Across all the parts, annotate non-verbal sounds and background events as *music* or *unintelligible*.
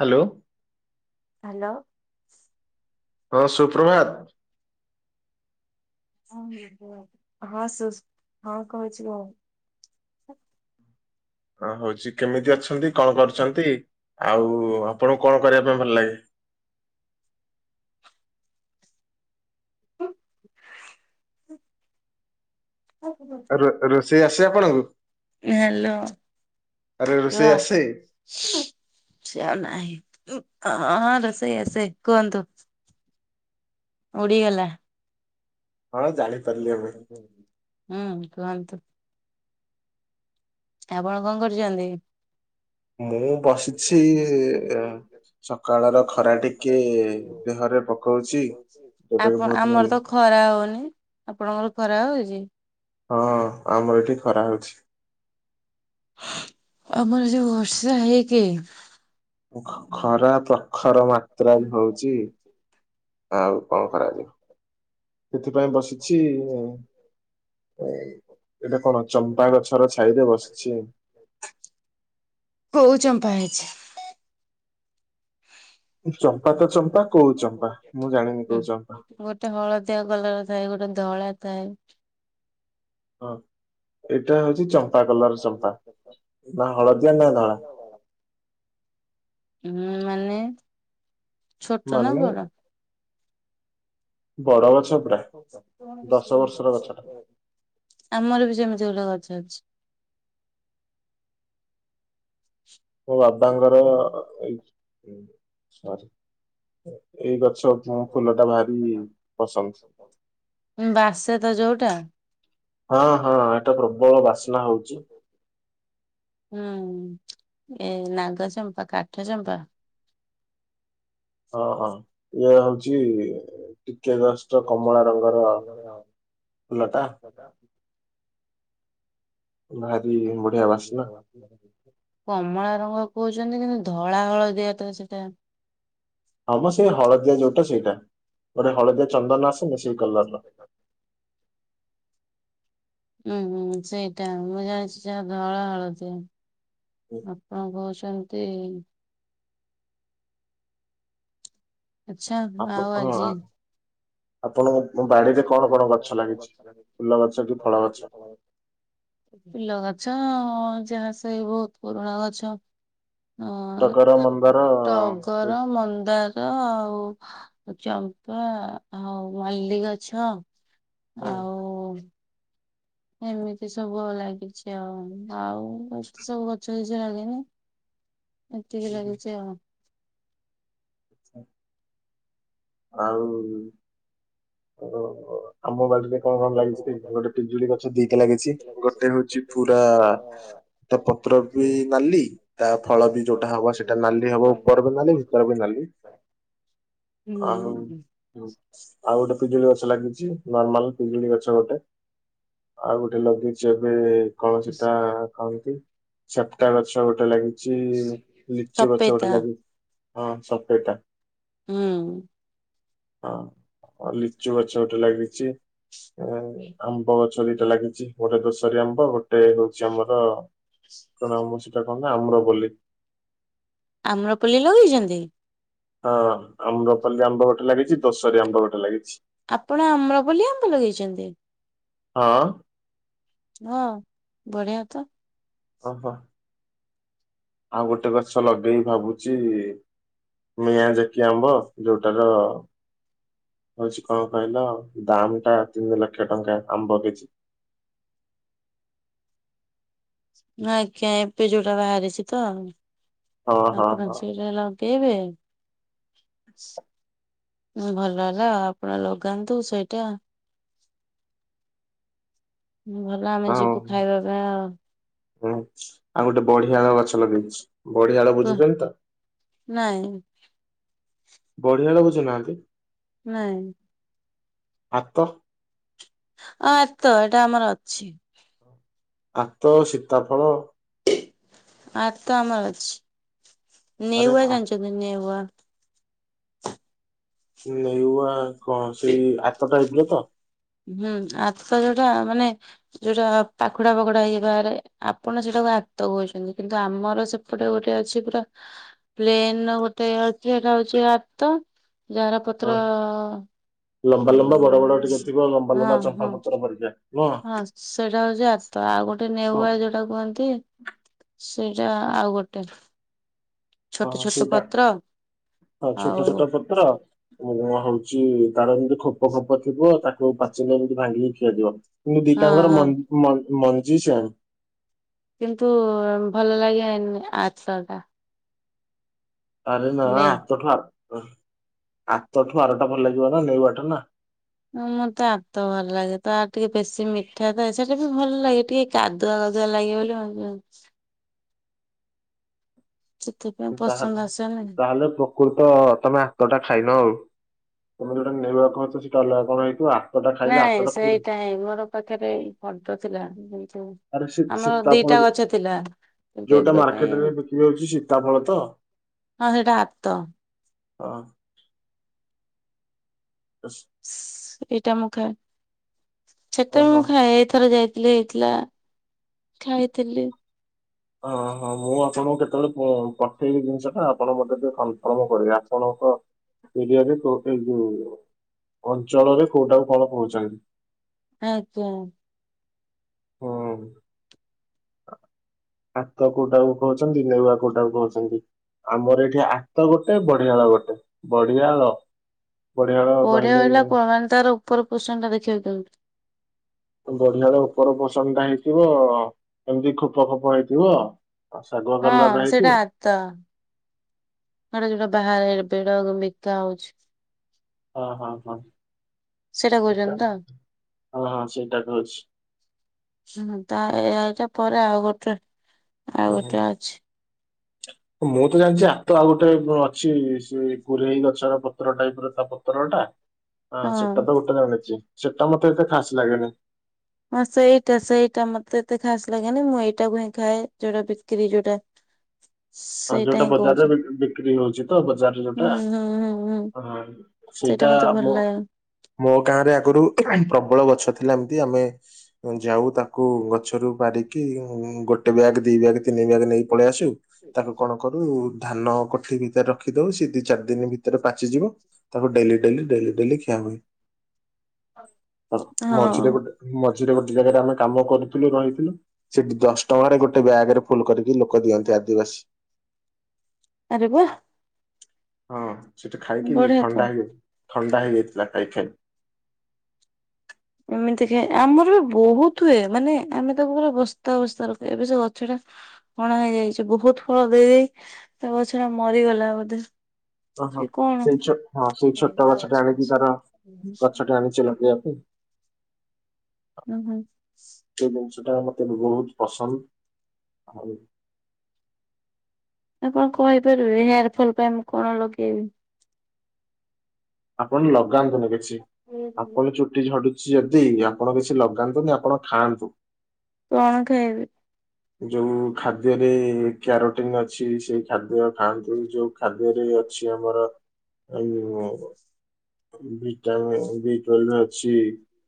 Hello. Hello. ହଁ ସୁପ୍ରଭାତ। ହଁ ହଁ ସୁସ୍ ହଁ କହୁଛି କହ। ହ ହଉଛି କେମିତି ଅଛନ୍ତି କଣ କରୁଛନ୍ତି ଆଉ ଆପଣଙ୍କୁ କଣ କରିବା ପାଇଁ ଭଲ ଲାଗେ? ହ। ରୋଷେଇ ଆସେ ଆପଣଙ୍କୁ ଆରେ ରୋଷେଇ ଆସେ? ସେଉ ନାହିଁ ହଁ ହଁ ରୋଷେଇ ଆସେ କୁହନ୍ତୁ? ଉଡିଗଲା। ହଁ ଜାଣିପାରିଲି ମୁଁ। ହୁଁ କୁହନ୍ତୁ। ଆପଣ କଣ କରୁଛନ୍ତି? ମୁଁ ବସିଛି ସକାଳ ର ଖରା ଟିକେ ଦେହରେ ପକଉଛି ଯୋଉଟାକି ବହୁତ ଭଲ। ଖରା ହଉନି ଆପଣଙ୍କର ଖରା ହୋଉଚି? ହଁ ଆମର ଏଠି ଖରା ହଉଛି। ଆମର ଯୋଉଁ ବର୍ଷା ହେଇକି ଖରା ପ୍ରଖର ମାତ୍ରା ବି ହଉଚି। ଆଉ କଣ କରାଯିବ ସେଥିପାଇଁ ବସିଛି। ଏଟା କଣ ଚମ୍ପା ଗଛ କୋଉଁ ଚମ୍ପା ହେଇଛି? ଚମ୍ପା ତ ଚମ୍ପା କୋଉଁ ଚମ୍ପା ମୁଁ ଜାଣିନି କୋଉଁ ଚମ୍ପା। ଗୋଟେ ହଳଦିଆ କଲର ଥାଏ ଗୋଟେ ଧଳା ଥାଏ। ହଁ ଏଇଟା ହଉଛି ଚମ୍ପା କଲର ଚମ୍ପା ନା ହଳଦିଆ ନା ଧଳା। ହଁ ମାନେ ଛୋଟ ନା ବଡ। *unintelligible* ଆମର ବି ସେମିତି ଗୋଟେ ଗଛ ଅଛି। ମୋ ବାବାଙ୍କର *unintelligible* ଏଇ ଗଛ ଫୁଲ ଟା ଭାରି ପସନ୍ଦ। ଯେତେବେଳେ ଯୋଉଁଟା ହଁ ହଁ ଏଟା ପ୍ରବଳ ବାସ୍ନା ହଉଚି। ହୁଁ ଏ ନାଗଚମ୍ପା କାଠ ଚମ୍ପା ହଁ ହଁ ଏ ହୋଉଛି ଟିକେ ଜଷ୍ଟ କମଳା ରଙ୍ଗର ଫୁଲ ଟା। ଭାରି ବଢିଆ ବାସ୍ନା। ଆ। କମଳା ରଙ୍ଗ କହୁଛନ୍ତି କିନ୍ତୁ, ଧଳା ହଳଦିଆ ତ ସେଇଟା। ହଁ ମ ସେଇ ହଳଦିଆ ଯୋଉଟା ସେଇଟା ଗୋଟେ ହଳଦିଆ ଚନ୍ଦନ ଆସେନି ସେଇ କଲରର। ଉୁଁ ହୁଁ ସେଇଟା ମୁଁ ଜାଣିଛି ଯାହା ଧଳା ହଳଦିଆ। ଆପଣ କହୁଛନ୍ତି ଆଚ୍ଛା ଆଉ ଆଜି ଆପଣଙ୍କ ମ ବାଡିରେ କଣ କଣ ଗଛ ଲାଗିଛି ଫୁଲ ଗଛ କି ଫଳ ଗଛ? ଫୁଲ ଗଛ ଯାହା ସେଇ ବହୁତ ପୁରୁଣା ଗଛ। ଟଗର ମନ୍ଦାର ଙ୍କର ମନ୍ଦାର ଆଉ ଚମ୍ପା ଆଉ। ମଲ୍ଲୀ ଗଛ ଆଉ ଏମିତି ସବୁ ଲାଗିଛି ଆଉ ଆଉ ଏତେ ସବୁ ଗଛ ଗଛ ଲାଗେନି। ଏତିକି ଲାଗିଛି ଆଉ। ଆଉ। ଓ ଆମ ବାଡ଼ିରେ କଣ କଣ ଲାଗିଛି ଗୋଟେ ପିଜୁଳି ଗଛ ଦିଟା ଲାଗିଛି। ଗୋଟେ ହୋଉଛି ପୁରା ତା ପତ୍ର ବି ନାଲି। ତା ଫଳ ବି ଯୋଉଟା ହବ ସେଇଟା ନାଲି ହବ ଉପର ବି ନାଲି ଭିତର ବି ନାଲି। ଆଉ ହୁଁ। ଆଉ ଗୋଟେ ପିଜୁଳି ଗଛ ଲାଗିଛି ନର୍ମାଲ ପିଜୁଳି ଗଛ ଗୋଟେ। ଆଉ ଗୋଟେ ଲଗେଇଛି ଏବେ କଣ ସେଟା କହନ୍ତି ସେପ୍ଟା ଗଛ ଗୋଟେ ଲାଗିଛି। ଚି ଲିଚୁ ଗଛ ଗୋଟେ ଲାଗିଛି ହଁ ସପେଟା। ହୁଁ। ହଁ। ଆଉ ଲିଚୁ ଗଛ ଗୋଟେ ଲାଗିଛି। ଏ ଆମ୍ବ ଗଛ ଦିଟା ଲାଗିଛି ଗୋଟେ ଦୋଷାରୀ ଆମ୍ବ ଗୋଟେ ହଉଛି ଆମର ତା ନାଁ ସେଟା କଣ ନା ଆମ୍ର ପଲେଇ। ଆମ୍ର ପଲେଇ ଲଗେଇଛନ୍ତି। ହଁ ଆମ୍ର ପଲେଇ ଆମ୍ବ ଗୋଟେ ଲାଗିଛି। ଦୋଶରି ଆମ୍ବ ଗୋଟେ ଲାଗିଛି। ଆପଣ ଆମ୍ରପାଲେଇ ଆମ୍ବ ଲଗେଇଛନ୍ତି। ହଁ। ହଁ ବଢ଼ିଆ ତ। ଅହ। ଆଉ ଗୋଟେ ଗଛ ଲଗେଇବି ଭାବୁଛି ମିଆଁ ଯାକି ଆମ୍ବ। ଯୋଉଟାର ହଉଛି କଣ କହିଲ ଦାମ ଟା ତିନି ଲକ୍ଷ ଟଙ୍କା ଆମ୍ବ କେଜି। ନା ଆଜ୍ଞା ଏବେ ଯୋଉଟା ବାହାରିଛି ତ ଆପଣ ସେଇଟା ହେଲା କେଇବେ? ଭଲ ହେଲା ଆପଣ ଲଗାନ୍ତୁ ସେଇଟା। ଭଲ ଆମେ ଯିବୁ ଖାଇବା ପାଇଁ ଆଉ। ହୁଁ ଆଉ ଗୋଟେ ବଢିଆଳ ଗଛ ଲଗେଇଛି। ବଢିଆଳ ବୁଝିଛନ୍ତି ତ? ନାଇଁ। ବଢିଆ ଲାଗୁଛି ନାହାନ୍ତି। ନାଇଁ। ଆତ। ହଁ ଆତ ଏଇଟା ଆମର ଅଛି। ଆତ ସୀତାଫଳ। ଆତ ଆମର ଅଛି ନେଉଆ ଜାଣିଚନ୍ତି ନେଉଆ। ନେଉଆ କଣ ସେଇ ଆତ ଟାଇପର ତ। ହୁଁ ଆତ ଯୋଉଟା ମାନେ ଯୋଉଟା ପାଖୁଡା ପଖଡା ହେଇପାରେ ଆପଣ ସେଟାକୁ ଆତ କୋହୁଚନ୍ତି। କିନ୍ତୁ ଆମର ସେ ଏପଟେ ଗୋଟେ ଅଛି ପୁରା ପ୍ଲେନର ଗୋଟେ ଅଛି ହେଇଟା ହଉଚି ଆତ। ଯାର ପତ୍ର ଉଁ ବଲମା ଚମ୍ପାପତ୍ର ପରକା। ହଁ ସେଇଟା ହଉଚି ଆତ ଆଉ ଗୋଟେ ନେଉଆ ଯୋଉ ଟା କୁହନ୍ତି ସେଇଟା ଆଉ ଗୋଟେ। ହଁ ସେଇଟା ଆଉ ଛୋଟ ଛୋଟ ପତ୍ର। ପୁରୁଣାହଉଛି ତାର ଖୋପ ଖୋପ ଥିବ ତାକୁ ପାଚିଲେ ଏମିତି ଭାଙ୍ଗିକି ଖିଆ ଯିବ। ହୁଁ ଦିଟାଙ୍କର ମ ମ ମଞ୍ଜି ସେମ। କିନ୍ତୁ ଭଲ ଲାଗେ ଆରସା ଟା। ଆରେ ନା ଆତଠୁ ଆର ଆତଠୁ ଆର ଟା ଭଲ ଲାଗିବ ନା ନେଉଆଟା ନା। ମତେ ଆତ ଭଲ ଲାଗେ ତାର ଟିକେ ବେଶୀ ମିଠା ଥାଏ ସେଟା ବି ଭଲ ଲାଗେ ଟିକେ କାଦୁଆ କାଦୁଆ ଲାଗିବ ବୋଲି ମତେ ବାହେଲେ ତାହେଲେ ପ ଆଗରୁ ତ ତମେ ଆତଟା ଖାଇନ ଆଉ ତମେ ଯୋଉଟା ନେଉଆ କଉଛ ସେଇଟା ଅଲଗା କଣ ହେଇଥିବ। ଆ ନାଇଁ ସେଇଟା ହିଁ ମୋର ପାଖରେ ଫର୍ଦ ଥିଲା କିନ୍ତୁ ଆମର ଦିଟା ଗଛ ଥିଲା। ଯୋଉଟା ମାର୍କେଟ ରେ ବିକ୍ରି ହୋଉଚି ଶୀତା ଫଳ ତ। ହଁ ହେଇଟା ଆାତ। ଓ *unintelligible* ଏଇଟା ମୁଁ ଖାଏ ସେତେବେଳେ ମୁଁ ଖାଏ ଏଇଥରେ ଯାଇ ଲେଇଥିଲା ଖାଇଥିଲି। ହଁହଁ ମୁଁ ଆପଣଙ୍କୁ କେତେବେଳେ ପ ପଠେଇବି ଜିନିଷ ଟା ଆପଣ ମତେ ଟିକେ କନଫର୍ମ କରିବା। ଆପଣଙ୍କ ଏରିଆରେ କୋ ଯୋଉ ଅଞ୍ଚଳରେ କୋଉଟାକୁ କଣ କହୁଚନ୍ତି। *unintelligible* *inaudible* ଆାତ କୋଉଟାକୁ କହୁଛନ୍ତି ନେଉଆ କୋଉଟାକୁ କହୁଛନ୍ତି। ଆମର ଏଠି ଆତ ଗୋଟେ ବଢିଆଳ ଗୋଟେ ବଢିଆଳ। ପରିଆଳ ହେଲା ପୁଅ ମାନେ ତାର ଉପର ପୋଷଣ ଟା ଦେଖିବାକୁ ଚାହୁଁଚୁ। ବଢିଆଳ ଉପର ପୋଷଣ ଟା ହେଇଥିବ ଏମିତି ଖୋପ ଖୋପ ହେଇଥିବ। ଆଉ ଶାଗୁଆ କାଲର ହେଇଥିବ। ତ ଏଡା ଯୋଉଟା ବାହାରେ ପେଡା ବିକା ହଉଛି। ହଁ ହଁ ହଁ। ସେଇଟା କହୁଚନ୍ତି ତ। ହୁଁ ତାର ଏ ଆଇଟା ପରେ ଆଉ ଗୋଟେ ଓହୋ ଚ ମୁଁ ତ ଜାଣିଚି ଆତ ଆଉ ଗୋଟେ ଅଛି ସେ କୋରେଇ ଗଛ ପତ୍ର ଟାଇପ ର ତା ପତ୍ର ଟା। ହଁ ସେଟା ତ ଗୋଟେ ଜାଣିଚି ସେଟା ମତେ ଏତେ ଖାସ ଲାଗେନି। ହଁ ସେଇଟା ସେଇଟା ମତେ ଏତେ ଖାସ ଲାଗେନି ମୁଁ ଏଇଟାକୁ ହିଁ ଖାଏ ଯୋଉଟା ବିକ୍ରି ଯୋଉଟା *inaudible* ସେଇଟା ହିଁ କହୁଚି ହୁଁ ହୁଁ ହୁଁ ହୁଁ। ସେଇଟା ମତେ ଭଲ ଲାଗେ। ମୋ ଗାଁ ରେ ଆଗୁରୁ ପ୍ରବଳ ଗଛ ଥିଲା ଏମିତି ଆମେ ଯାଉ ତାକୁ ଗଛରୁ ପାରିକି ଗୋଟେ ବ୍ୟାଗ୍ ଦି ବ୍ୟାଗ ତିନି ବ୍ୟାଗ୍ ନେଇକି ପଳେଇ ଆସୁ। ତାକୁ କଣ କରୁ ଧାନ କୋଠି ଭିତରେ ରଖି ଦଉ ସିଏ ଦି ଚାରି ଦିନି ଭିତରେ ପାଚିଯିବ। ତାକୁ ଡେଲି ଡେଲି ଡେଲି ଡେଲି ଖିଆ ହୁଏ ହଁ ମଝିରେ ଗୋଟେ ମଝିରେ ଗୋଟେ ଜାଗାରେ ଆମେ କାମ କରୁଥୁଲୁ ରହିଥିଲୁ। ସେଠି ଦଶ ଟଙ୍କାରେ ଗୋଟେ ବ୍ୟାଗ ରେ ଫୁଲ କରିକି ଲୋକ ଦିଅନ୍ତି ଆଦିବାସୀ। ଆରେ ବା। ହଁ ସେଠି ଖାଇକି ଥଣ୍ଡା ହେଇ ଥଣ୍ଡା ହେଇଯାଇଥିଲା ଖାଇ ଖାଇ। ଏମିତିକି ଆମର ବି ବହୁତ ହୁଏ ମାନେ ଆମେ ତାକୁ ପୁରା ବସ୍ତା ବସ୍ତା ରଖୁ ଏବେ ସେ ଗଛ ଟା ଫଣ ହେଇଯାଇଛି ବହୁତ ଫଳ ଦେଇଦେଇ ତା ଗଛଟା ମରିଗଲା ବୋଧେ। ଓହୋ ସେଇ ଛୋ ହଁ ସେଇ ଛୋଟ ଗଛ ଟା ଆଣିକି ତାର ଗଛଟା ଆଣିଚି ଲଗେଇବାକୁ। ଉଁ ହୁଁ। ସେଇ ଗଛଟା ମତେ ବହୁତ ପସନ୍ଦ ଆଉ ଆପଣ କହିପାରିବେ ହେୟାର ଫଲ୍ ପାଇଁ ମୁଁ କଣ ଲଗେଇବି? ଆପଣ ଲଗାନ୍ତୁନି କିଛି ଆପଣ ଚୁ ଟି ଝଡୁଛି ଯଦି ଆପଣ କିଛି ଲଗାନ୍ତୁନି ଆପଣ ଖାଆନ୍ତୁ। କଣ ଖାଇବି? ଯୋଉ ଖାଦ୍ୟରେ କ୍ୟାରୋଟିନ ଅଛି ସେଇ ଖାଦ୍ୟ ଖାଆନ୍ତୁ ଯୋଉ ଖାଦ୍ୟରେ ଅଛି ଆମର ଏଇ ଯୋଉ ଆମର *unintelligible* ଅଛି।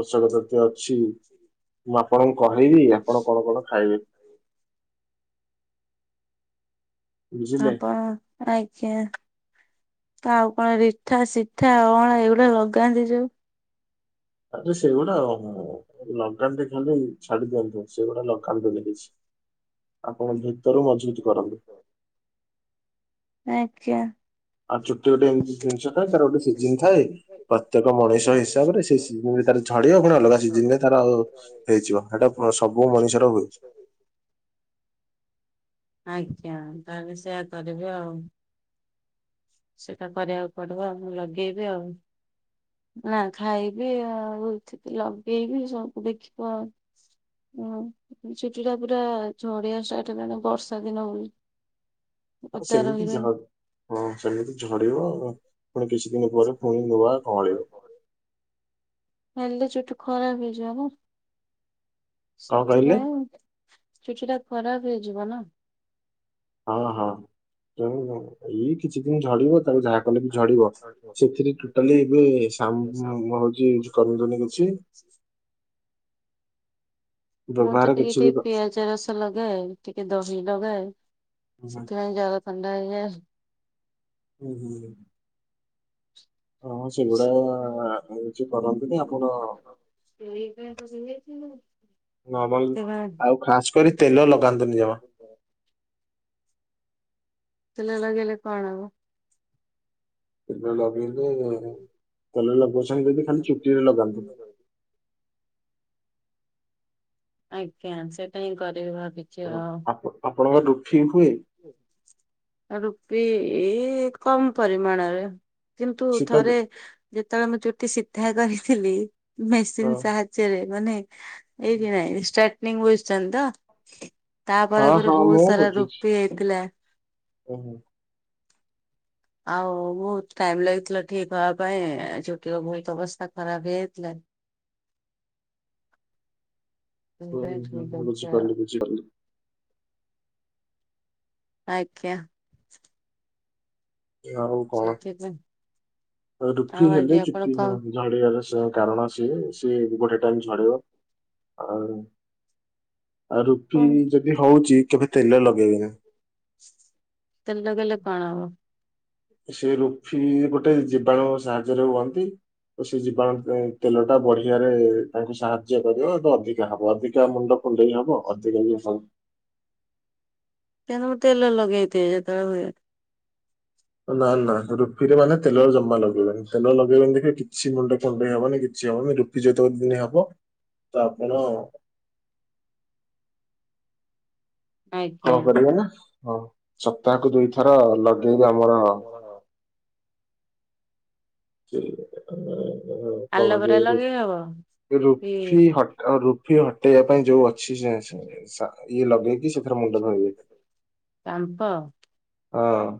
ପୋଷକ ଖାଦ୍ୟ ଅଛି ମୁଁ ଆପଣଙ୍କୁ କହିବି ଆପଣ କଣ କଣ ଖାଇବେ? ହଁ ପା। ଆଜ୍ଞା ଆଉ କଣ ରିଠା ସିଠା ଅଁଳା ଏଇଗୁଡା ଲଗାନ୍ତି ଯୋଉ ଆରେ ସେଇଗୁଡା ହଁ। ଲଗାନ୍ତି ଖାଲି ଛାଡି ଦିଅନ୍ତୁ ସେଇଗୁଡ଼ା ଲଗାନ୍ତୁନି କିଛି ଆପଣ ଭି ତରୁ ମଝବୁତ କରନ୍ତୁ। ଆଜ୍ଞା। ଆଉ ଚୁଟି ଗୋଟେ ଏମିତି ଜିନିଷ ଟା ତାର ଗୋଟେ ସିଜିନ୍ ଥାଏ ପ୍ରତ୍ୟେକ ମଣିଷ ହିସାବରେ ସେ *unintelligible* ତାର ଝଡିବ ଫୁଣି ଅଲଗା ସିଜିନରେ ତାର ହେଇଯିବ ହେଟା ସବୁ ମଣିଷର ହୁଏ। ଆଜ୍ଞା ତାହେଲେ ସେଇୟା କରିବି ଆଉ। ସେଟା କରିବାକୁ ପଡିବ ଆଉ ମୁଁ ଲଗେଇବି ଆଉ। ନା ଖାଇବି ଆଉ ଲଗେଇବି ସବୁ ଦେଖିବୁ ଆଉ। ହୁଁ ଛୁଟି ଟା ପୁରା ଝଡିଆ ଷ୍ଟାର୍ଟ ହେଲାଣି ବର୍ଷଦିନ ବୋଲି। *inaudible* ହଁ ସେମିତି ଝ ହଁ ସେମିତି ଝଡିବ। ପୁଣି କିଛି ଦିନି ପରେ ପୁଣି ନୂଆ କଅଁଳିବ। ହେଲେ ଚୁଟି ଖରାପ ହେଇଯିବ ନା ସେଥିପାଇଁ ଚୁଟି ଟା ଖରାପ ହେଇଯିବ ନା। ହଁ ହଁ ତେଣୁ ଏଇ କିଛି ଦିନ ଝଡିବ ତାକୁଯାହା କଲେ ବି ଝଡିବ। ସେଥିରେ ଟୋଟାଲି ଏବେ ସାମ୍ ହଉଛି କରନ୍ତୁନି କିଛି। ମୁଁ ତ ଟିକେ ଟିକେ ପିଆ ପିଆଜରସ ଲଗାଏ, ଟିକେ ଦହି ଲଗାଏ, ସେଥିପାଇଁ ଜର ଥଣ୍ଡା ହେଇଯାଏ। ହୁଁ ହୁଁ। ହଁ ସେଗୁଡା ଆଉ କିଛି କରନ୍ତୁନି ଆପଣ ସେଇ ପାଇଁ ରହି ଯାଇଥିଲୁ। ନର୍ମାଲ ଆଉ ଖାସ୍ କରି ତେଲ ଲଗାନ୍ତୁନି ଜମା। ତେଲ ଲଗେଇଲେ କଣ ହବ? ତେଲ ଲଗେଇଲେ ତେଲ ଲଗୋଉଚନ୍ତି ଯଦି ଖାଲି ଚୁଟିରେ ଲଗାନ୍ତୁ। ଆଜ୍ଞା ସେଇଟା ହିଁ କରିବି ଭାବିଚି ଆଉ। ଆପଣଙ୍କର ରୁଫି ହୁଏ? ରୁପି ଇଏ କମ ପରିମାଣରେ। କିନ୍ତୁ ଥରେ ଯେତେବେଳେ ମୁଁ ଚୁଟି ସିଧା କରିଥିଲି ମେସିନ୍ ସାହା ଯ୍ୟରେ ମାନେ ଏଇଠି ନାହିଁ ଷ୍ଟେଟନିଙ୍ଗ ବୁଝଛନ୍ତି ତ। ତାପରେ ପରେ ବହୁତ ସାରା ରୁପି ହେଇଥିଲା। ଓହୋ। ଆଉ ବହୁତ ଟାଇମ ଲାଗିଥିଲା ଠିକ ହବା ପାଇଁ ଚୁଟିର ବହୁତ ଅବସ୍ଥା ଖରାପ ହେଇଯାଇଥିଲା। ସେଇଟା ହିଁ ଠିକ ଅଛି ଆଉ। କିଛି କରିନି। ଆଜ୍ଞା। ଏ ଆଉ କଣ ରୁପି ହେଲେ ଚୁଟି ଝଡ଼ନ୍ତି। ଝଡିବାର ସେ କାରଣ ସିଏ ସିଏ ଗୋଟେ ଟାଇମ ଝଡେଇବ। ଆ ଆଉ ରୁପି ଯଦି ହଉଛି କେବେ ତେଲ ଲଗେଇବେନି। ତେଲ୍ ଲଗେଇଲେ କଣ ହବ। ସେ ରୁଫି ଗୋଟେ ଜୀବାଣୁ ସାହାଯ୍ୟରେ ହୁଅନ୍ତି। ତ ସେ ଜୀବାଣୁ ଉଁ ତେଲ ଟା ବଢିଆରେ ତାଙ୍କୁ ସାହାଯ୍ୟ କରିବ, ତ ଅଧିକା ହବ ଅଧିକ ମୁଣ୍ଡ କୁଣ୍ଡେଇ ହବ ଅଧିକ ବି ସ କାଇଁ ନା ମୁଁ ତେଲ ଲଗେଇଦିଏ ଯେତେବେଳେ ହୁଏ। ନା ନା ରୁପିରେ ମାନେ ତେଲର ଜମା ଲଗେଇବେନି, ତେଲ ଲଗେଇବେନି ଦେଖିବେ କିଛି ମୁଣ୍ଡ କୁଣ୍ଡେଇ ହବନି କିଛି ହବନି ରୁପି କି ଯେତେ ବେଳେ କୁଣ୍ଡେଇ ହବ ତ ଆପଣ କଣ କରିବେ ନା, ହଁ ସପ୍ତାହକୁ ଦୁଇଥର ଲଗେଇବେ ଆମର ସେ କଣ ଯୋଉ ର ରୂପି ହଟାଅ ରୂ ପି ହଟେଇବା ପାଇଁ ଯୋଉ ଅଛି ଯ ଅ ସା ଇଏ ଲଗେଇକି ସେଥିର ମୁଣ୍ଡ ଧୋଇବେ। ସାମ୍ପ। ହଁ।